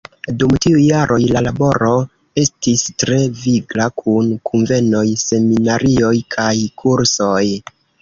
Dum tiuj jaroj la laboro estis tre vigla kun kunvenoj, seminarioj kaj kursoj.